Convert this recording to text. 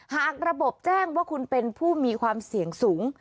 หากระบบแจ้งว่าคุณเป็นผู้มีความเสี่ยงสูง